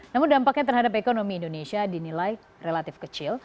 namun dampaknya terhadap ekonomi indonesia dinilai relatif kecil